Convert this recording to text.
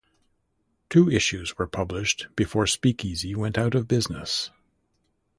Two issues were published before Speakeasy went out of business.